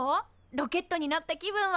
ロケットになった気分は。